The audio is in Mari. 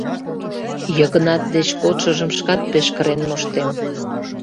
Йыгнат деч кодшыжым шкат пеш кырен моштем...